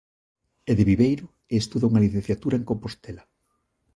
É de Viveiro e estuda unha licenciatura en Compostela.